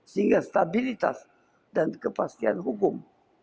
sehingga stabilitas dan kepastian hukum